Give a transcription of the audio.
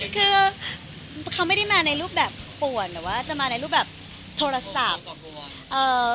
คือเขาไม่ได้มาในรูปแบบป่วนหรือว่าจะมาในรูปแบบโทรศัพท์เอ่อ